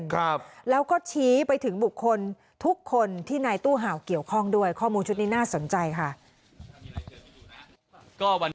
ครับแล้วก็ชี้ไปถึงบุคคลทุกคนที่นายตู้เห่าเกี่ยวข้องด้วยข้อมูลชุดนี้น่าสนใจค่ะก็วัน